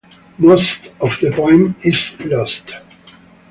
Most of the poem is lost.